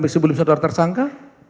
sebelum saudara tersangka